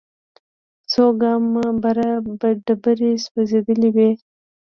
څو ګامه بره ډبرې سوځېدلې وې.